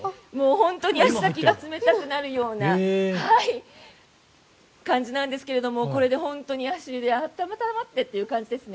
本当に足先が冷たくなるような感じなんですけれどこれで、足湯で温まってという感じですね。